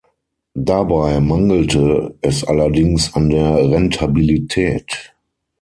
Dabei mangelte es allerdings an der Rentabilität.